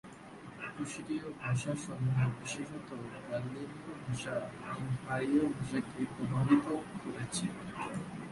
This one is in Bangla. কুশিটীয় ভাষাসমূহ বিশেষত গাল্লিনীয় ভাষা আমহারীয় ভাষাকে প্রভাবিত করেছে।